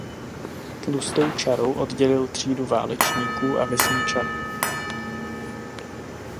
Tlustou čarou oddělil třídu válečníků a vesničanů.